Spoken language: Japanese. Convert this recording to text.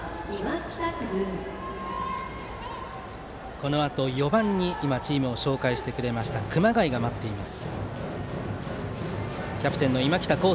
このあとの４番にチームを紹介してくれました熊谷が待っています。